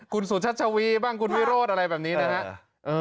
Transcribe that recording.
คุณสุชัชวีบ้างคุณวิโรธอะไรแบบนี้นะครับ